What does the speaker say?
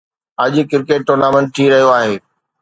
اڄ cricket tournament ٿي رهيو آهي